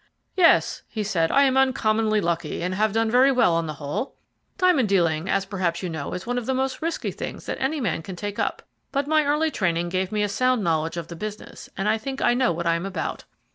"Yes," he said, "I am uncommonly lucky, and have done pretty well on the whole. Diamond dealing, as perhaps you know, is one of the most risky things that any man can take up, but my early training gave me a sound knowledge of the business, and I think I know what I am about.